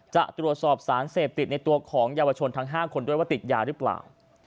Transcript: จะตรวจสอบสารเสพติดในตัวของเยาวชนทั้ง๕คนด้วยว่าติดยาหรือเปล่า